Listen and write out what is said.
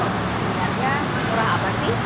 harga murah apa sih